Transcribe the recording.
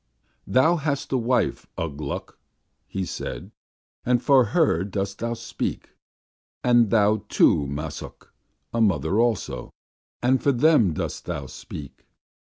"Thou hast a wife, Ugh Gluk," he said, "and for her dost thou speak. And thou, too, Massuk, a mother also, and for them dost thou speak.